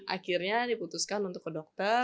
akhirnya diputuskan untuk ke dokter